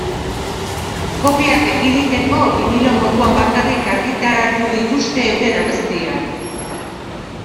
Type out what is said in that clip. Kopiak ekiditeko binilo moduan bakarrik argitaratu dituzte euren abestiak.